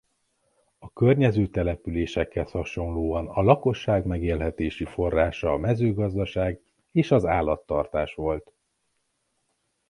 A környező településekhez hasonlóan a lakosság megélhetései forrása a mezőgazdaság és az állattartás volt.